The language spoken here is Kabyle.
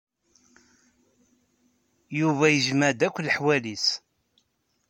Yuba yejmeɛ-d akk leḥwal-is.